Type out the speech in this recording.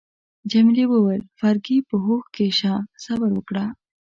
جميلې وويل: فرګي، په هوښ کي شه، صبر وکړه.